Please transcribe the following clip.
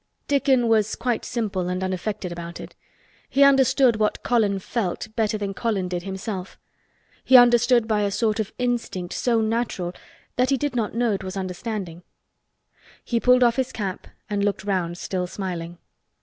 Dickon was quite simple and unaffected about it. He understood what Colin felt better than Colin did himself. He understood by a sort of instinct so natural that he did not know it was understanding. He pulled off his cap and looked round still smiling.